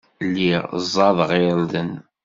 Lliɣ ẓẓadeɣ irden.